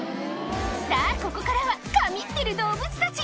さぁここからは神ってる動物たち